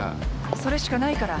それしかないから。